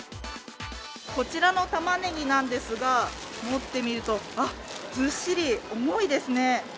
こちらのたまねぎなんですが、持ってみるとずっしり重いですね。